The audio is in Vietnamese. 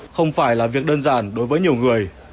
không phải là việc đơn giản đối với nhiều người